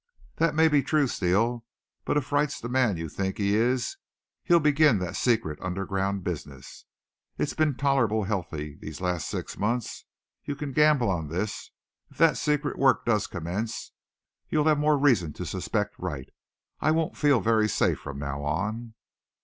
"That may be true, Steele. But if Wright's the man you think he is he'll begin that secret underground bizness. It's been tolerable healthy these last six months. You can gamble on this. If thet secret work does commence you'll have more reason to suspect Wright. I won't feel very safe from now on.